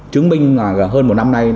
chứng minh là hơn một năm nay